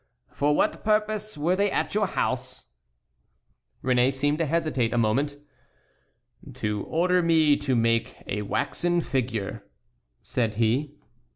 "For what purpose were they at your house?" Réné seemed to hesitate a moment. "To order me to make a waxen figure," said he.